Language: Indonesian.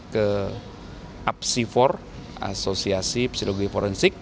penyidik yang dilakukan adalah tim apsifor asosiasi psikologi forensik